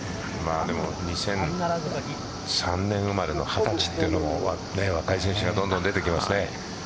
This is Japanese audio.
２００３年生まれの２０歳というのも若い選手がどんどん出てきますね。